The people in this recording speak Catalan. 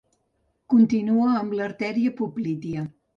Continua amb l'artèria poplítia.